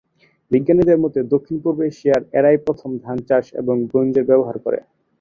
বিজ্ঞানীদের মতে দক্ষিণ পূর্ব এশিয়ায় এরাই প্রথম ধান চাষ এবং ব্রোঞ্জের ব্যবহার করে।